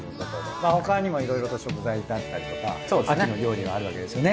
まあ他にもいろいろと食材だったりとか秋の料理があるわけですよね。